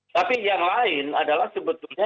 tapi yang lain adalah sebetulnya